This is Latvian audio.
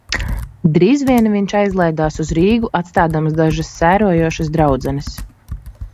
"Drīz vien viņš aizlaidās uz Rīgu atstādams dažas "sērojošas draudzenes"."